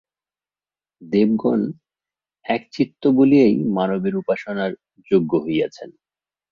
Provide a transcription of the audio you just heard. দেবগণ একচিত্ত বলিয়াই মানবের উপাসনার যোগ্য হইয়াছেন।